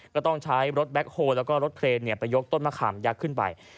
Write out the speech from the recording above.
ก็ต้องใช้รถแบ็คโฮแล้วก็รถเครนไปยกต้นมะขามยักษ์ขึ้นไป